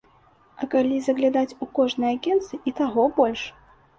А калі заглядаць у кожнае акенца і таго больш.